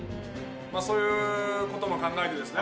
そういうことも考えてですね